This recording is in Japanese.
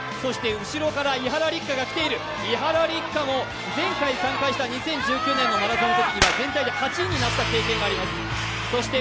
そして後ろから伊原六花が来ている、伊原六花も前回参加した２０１９年のマラソンのときには全体で８位になった経験があります。